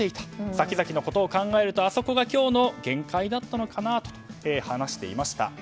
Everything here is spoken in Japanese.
先々のことを考えるとあそこが今日の限界だったのかなと話していました。